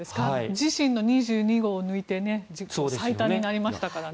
自身の２２号を抜いて自己最多になりましたからね。